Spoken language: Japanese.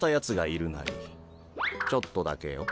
ちょっとだけヨ。